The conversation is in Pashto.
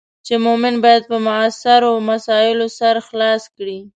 چې مومن باید پر معاصرو مسایلو سر خلاص کړي.